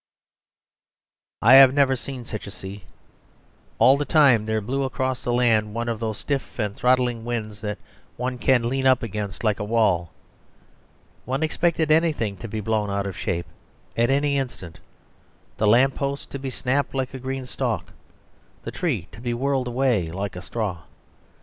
..... I have never seen such a sea. All the time there blew across the land one of those stiff and throttling winds that one can lean up against like a wall. One expected anything to be blown out of shape at any instant; the lamp post to be snapped like a green stalk, the tree to be whirled away like a straw.